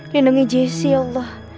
lindungi jesse ya allah